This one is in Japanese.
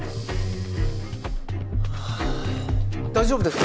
大丈夫ですか？